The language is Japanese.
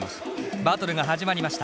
バトルが始まりました。